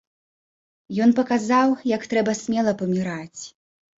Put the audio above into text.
Ён паказаў, як трэба смела паміраць.